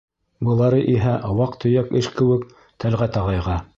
Былары иһә ваҡ-төйәк эш кеүек Тәлғәт ағайға.